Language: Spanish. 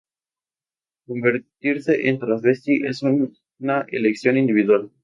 Convertirse en travesti es una elección individual.